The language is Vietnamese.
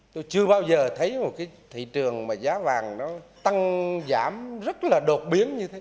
tôi chưa bao giờ thấy một cái thị trường mà giá vàng nó tăng giảm rất là đột biến như thế